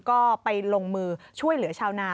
ก็ไปลงมือช่วยเหลือชาวนา